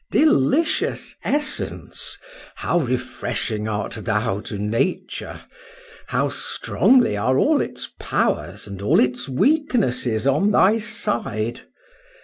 Delicious essence! how refreshing art thou to Nature! how strongly are all its powers and all its weaknesses on thy side!